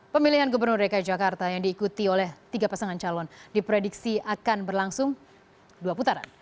pemilihan gubernur dki jakarta yang diikuti oleh tiga pasangan calon diprediksi akan berlangsung dua putaran